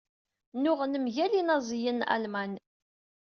Nnuɣen mgal Inaẓiyen n Alman.